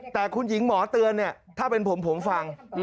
แต่คุณหญิงหมอเตือนเนี่ยถ้าเป็นผมผมฟัง